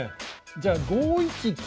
じゃあ５一金。